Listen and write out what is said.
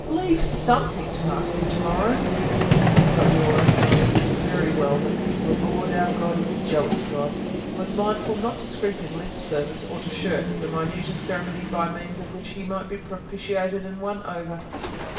"Leave something to ask Him to morrow." But Laura, knowing very well that the Lord our God is a jealous God, was mindful not to scrimp in lip service, or to shirk the minutest ceremony by means of which He might be propitiated and won over.